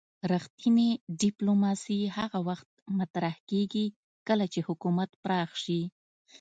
رښتینې ډیپلوماسي هغه وخت مطرح کیږي کله چې حکومت پراخ شي